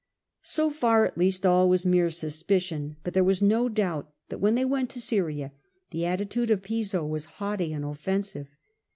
So far at least all was mere suspicion, but there was no doubt that when they went to Syria the attitude of Piso was haughty and offensive.